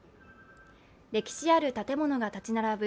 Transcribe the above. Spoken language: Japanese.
歴史ある建物が立ち並ぶ